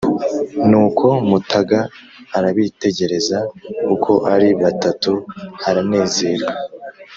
" nuko mutaga arabitegereza uko ari batatu aranezerwa